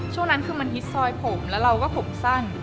ช่วงนั้นคือมันฮิตซอยผมแล้วเราก็ผมสั้น